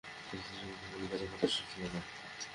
সন্তানদিগকে এমন বাজে কথা শিখাইও না।